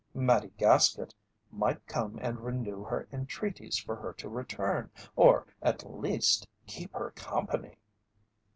Mattie Gaskett might come and renew her entreaties for her to return, or, at least, keep her company!